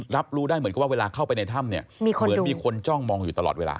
รับรู้ได้เหมือนกับว่าเวลาเข้าไปในถ้ำเนี่ยเหมือนมีคนจ้องมองอยู่ตลอดเวลา